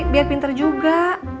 dia pinter juga